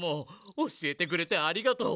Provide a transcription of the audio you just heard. おしえてくれてありがとう。